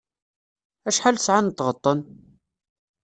Acḥal sɛan n tɣeṭṭen?